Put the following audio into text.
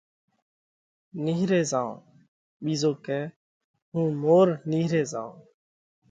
نيهري زائون ٻِيزو ڪئہ هُون مور نيهري زائون۔